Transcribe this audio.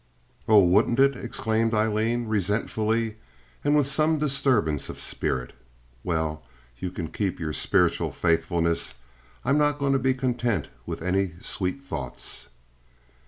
"Oh, wouldn't it?" exclaimed Aileen, resentfully, and with some disturbance of spirit. "Well, you can keep your spiritual faithfulness. I'm not going to be content with any sweet thoughts."